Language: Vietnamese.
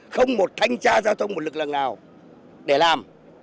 không một thanh tra giao thông một lực lượng nào để làm